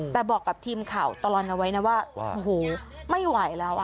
แต่บอกกับทีมข่าวตลอดเอาไว้นะว่าโอ้โหไม่ไหวแล้ว